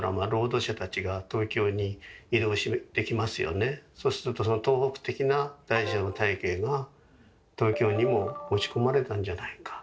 ではそうするとその東北的な大小の体系が東京にも持ち込まれたんじゃないか。